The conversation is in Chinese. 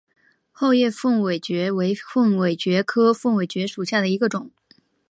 厚叶凤尾蕨为凤尾蕨科凤尾蕨属下的一个种。